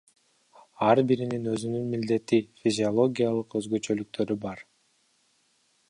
Ар биринин өзүнүн милдети, физиологиялык өзгөчөлүктөрү бар.